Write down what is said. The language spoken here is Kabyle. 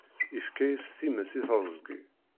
Ifka-yas times i teẓgi.